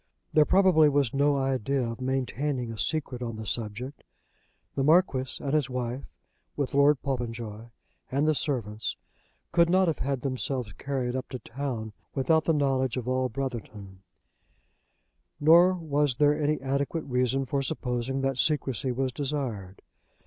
There probably was no idea of maintaining a secret on the subject. The Marquis and his wife, with Lord Popenjoy and the servants, could not have had themselves carried up to town without the knowledge of all Brotherton, nor was there any adequate reason for supposing that secrecy was desired.